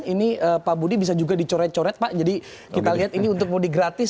ini pak budi bisa juga dicoret coret pak jadi kita lihat ini untuk mudik gratis